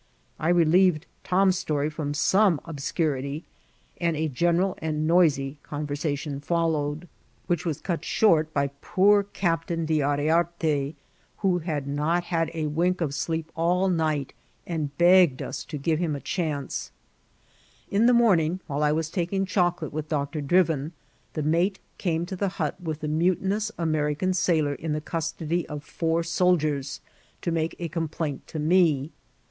I relieved Tom's story from some obscu* fity, and a general and noisy conversation foUowedi S8S . IKCIDBKT8 OP TRATXL. which was cut short by poor Ciq>tam D'Yriarte, who had not had a wink of sleep all night, and begged us to give him a chance. In the momingy while I watf taking chocolate with Doctor Driyin, the mate came to the hut with the mu tinous American sailor in the custody of four soldiers, to make a*complaint to me.